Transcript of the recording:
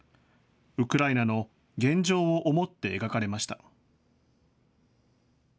ウクライナの現状を思って描かれました。